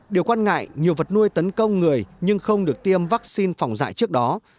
điều quan ngại nhiều vật nuôi tấn công người nhưng không được tiêm vaccine phòng dạy trước đó